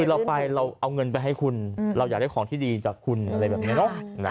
คือเราไปเราเอาเงินไปให้คุณเราอยากได้ของที่ดีจากคุณอะไรแบบนี้เนอะ